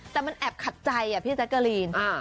แต่มันแอบขัดใจพี่แจ๊กเกอรีน